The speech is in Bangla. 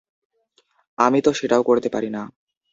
আমি তো সেটাও করতে পারি না।